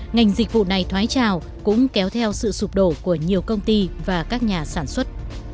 ngành dịch vụ này thoái trào cũng kéo theo sự sụp đổ của nhiều công ty và các nhà sản xuất